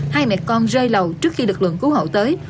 hai mẹ con rơi lầu trước khi lực lượng cứu hộ tới